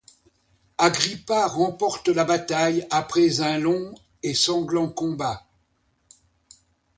Agrippa remporte la bataille après un long et sanglant combat.